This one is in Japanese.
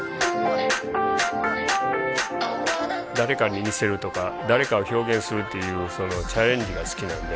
誰かに似せるとか誰かを表現するっていうそのチャレンジが好きなんで。